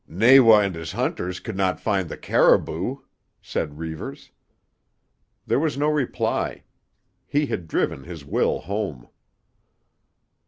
"Nawa and his hunters could not find the caribou," said Reivers. There was no reply. He had driven his will home.